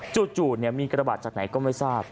จุดเนี่ยมีกระบะจากไหนก็ไม่ทราบ